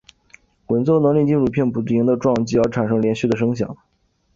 滚奏能令金属片不停地撞击而产生连续的声响。